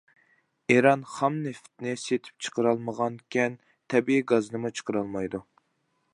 ئىران خام نېفىتنى سېتىپ چىقىرالمىغانىكەن، تەبىئىي گازنىمۇ چىقىرالمايدۇ.